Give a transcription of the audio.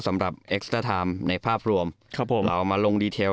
เอ็กซ์เตอร์ไทม์ในภาพรวมครับผมเรามาลงดีเทล